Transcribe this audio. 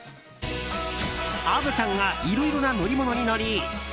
虻ちゃんがいろいろな乗り物に乗り